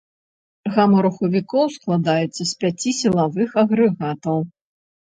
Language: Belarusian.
Гама рухавікоў складалася з пяці сілавых агрэгатаў.